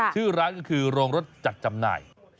ชื่อร้านก็คือโรงรถจัดจำหน่าย